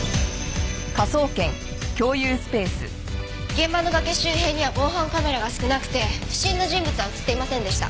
現場の崖周辺には防犯カメラが少なくて不審な人物は映っていませんでした。